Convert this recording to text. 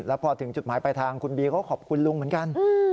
แล้วพอถึงจุดหมายไปทางคุณบีเขาก็ขอบคุณลุงเหมือนกัน